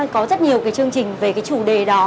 có rất nhiều cái chương trình về cái chủ đề đó